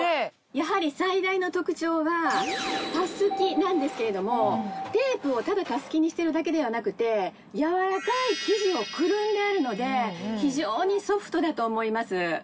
やはり最大の特徴はタスキなんですけれどもテープをただタスキにしてるだけではなくて柔らかい生地をくるんであるので非常にソフトだと思います。